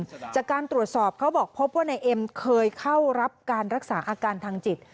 จากการตรวจสอบเขาบอกพบว่านายเอ็มเคยเข้ารับการรักษาอาการทางจิต